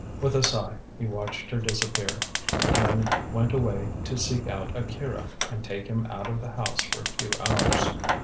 With a sigh he watched her disappear, and then went away to seek out Akira and take him out of the house for a few hours.